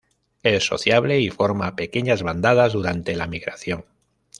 Es sociable y forma pequeñas bandadas durante la migración.